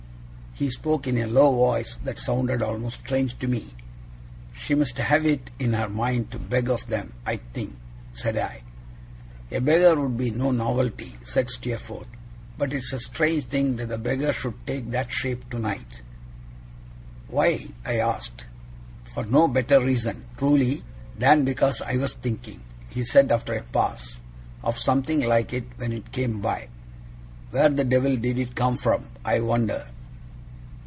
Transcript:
He spoke in a low voice that sounded almost strange to Me. 'She must have it in her mind to beg of them, I think,' said I. 'A beggar would be no novelty,' said Steerforth; 'but it is a strange thing that the beggar should take that shape tonight.' 'Why?' I asked. 'For no better reason, truly, than because I was thinking,' he said, after a pause, 'of something like it, when it came by. Where the Devil did it come from, I wonder!